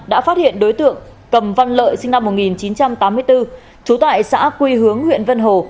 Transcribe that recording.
đã phát hiện đối tượng cầm văn lợi sinh năm một nghìn chín trăm tám mươi bốn trú tại xã quy hướng huyện vân hồ